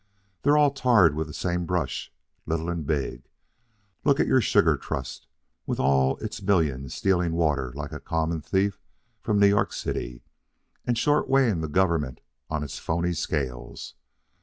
They're all tarred with the same brush, little and big. Look at your Sugar Trust with all its millions stealing water like a common thief from New York City, and short weighing the government on its phoney scales.